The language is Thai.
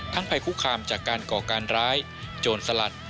ภัยคุกคามจากการก่อการร้ายโจรสลัด